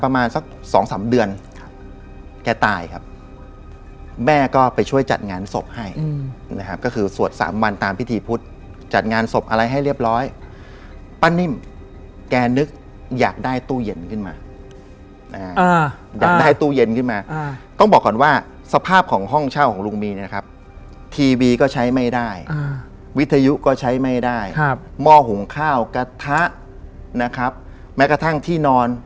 มาทำพิธีเต็มบ้านเลยตอนนั้น